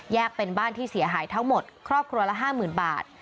เป็นบ้านที่เสียหายทั้งหมดครอบครัวละ๕๐๐๐บาท